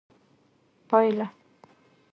پايله